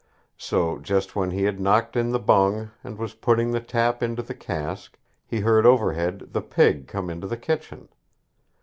So, just when he had knocked in the bung, and was putting the tap into the cask, he heard overhead the pig come into the kitchen.